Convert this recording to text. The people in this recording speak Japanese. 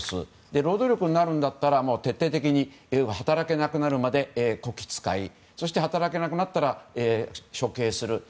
労働力になるんだったら徹底的に働けなくなるまでこき使い、働けなくなったら処刑する。